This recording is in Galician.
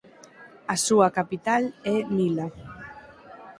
A súa capital é Mila.